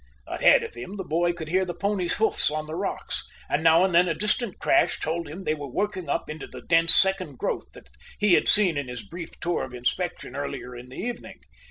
Ahead of him, the boy could hear the ponies' hoofs on the rocks, and now and then a distant crash told him they were working up into the dense second growth that he had seen in his brief tour of inspection earlier in the evening.